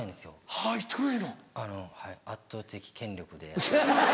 はい圧倒的権力で。